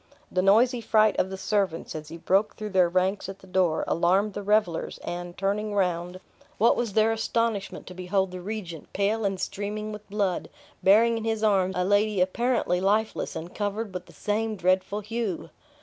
The noisy fright of the servants, as he broke through their ranks at the door, alarmed the revelers; and turning round, what was their astonishment to behold the regent, pale and streaming with blood, bearing in his arms a lady apparently lifeless, and covered with the same dreadful hue!